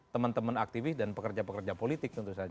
teman teman aktivis dan pekerja pekerja politik tentu saja